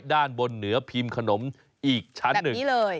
ด้านบนเหนือพิมพ์ขนมอีกชั้นหนึ่งนี้เลย